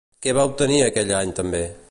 Què va obtenir aquell any també?